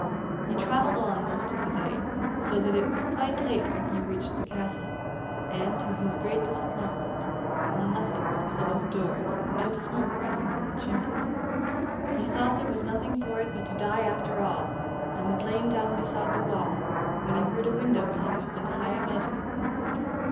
He travelled on most of the day, so that it was quite late when he reached the castle, and to his great disappointment found nothing but closed doors and no smoke rising from the chimneys. He thought there was nothing for it but to die after all, and had lain down beside the wall, when he heard a window being opened high above him.